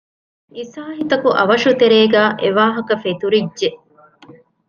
އިސާހިތަކު އަވަށު ތެރޭގައި އެ ވާހަކަ ފެތުރިއްޖެ